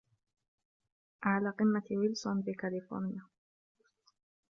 على قمة ويلسون بكاليفورنيا